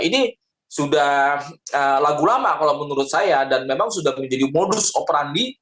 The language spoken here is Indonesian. ini sudah lagu lama kalau menurut saya dan memang sudah menjadi modus operandi